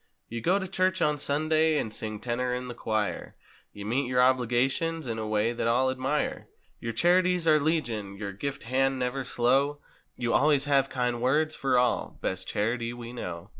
You go to church on Sunday—and sing tenor in the choir. You meet your obligations in a w^ay that all admire. Your charities are legion—your gift hand never slow— You always have kind words for all—best charity we know!